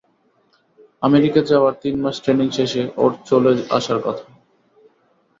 আমেরিকায় যাওয়ার তিন মাস ট্রেনিং শেষে ওর চলে আসার কথা।